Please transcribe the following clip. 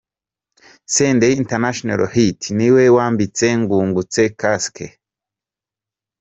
Senderi International Hit niwe wambitse Ngungutse kasike.